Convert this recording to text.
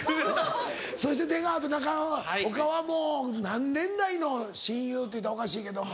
そして出川と中岡はもう何年来の親友っていうたらおかしいけども。